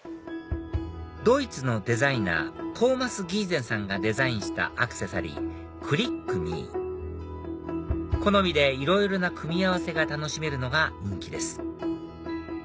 ドイツのデザイナートーマスギーゼンさんがデザインしたアクセサリーｃｌｉｃｃｍｉ好みでいろいろな組み合わせが楽しめるのが人気です